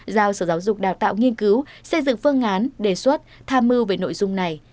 giao sở giáo dục đào tạo nghiên cứu xây dựng phương án đề xuất tham mưu về nội dung này